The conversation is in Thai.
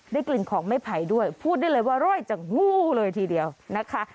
กลิ่นของไม้ไผ่ด้วยพูดได้เลยว่าร่อยจากงูเลยทีเดียวนะคะ